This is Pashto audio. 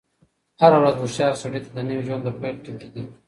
هره ورځ هوښیار سړي ته د نوی ژوند د پيل ټکی يي.